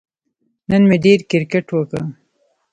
نن مې ډېر کیرکټ وکه